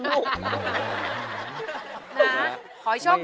รูปสุดงามสมสังคมเครื่องใครแต่หน้าเสียดายใจทดสกัน